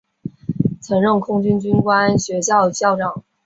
曾任空军军官学校校长。